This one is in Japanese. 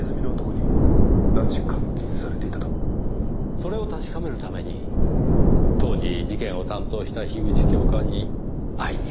それを確かめるために当時事件を担当した樋口教官に会いに向かったのですね。